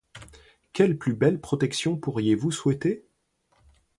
Quelle plus belle protection pourriez-vous souhaiter?